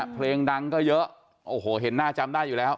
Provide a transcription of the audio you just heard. เพลงดังก็เยอะโอ้โหเห็นหน้าจำได้อยู่แล้ว